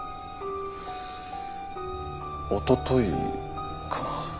おとといかな。